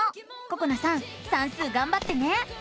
ここなさん算数がんばってね！